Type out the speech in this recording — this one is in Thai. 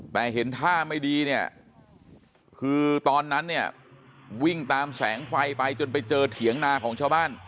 แต่เห็นท่าไม่ดีเนี่ยคือตอนนั้นเนี่ยวิ่งตามแสงไฟไปจนไปเจอเถียงนาของชาวบ้าน